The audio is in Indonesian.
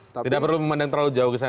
tidak perlu memandang terlalu jauh ke sana